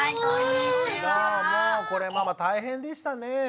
もうこれママ大変でしたねえ。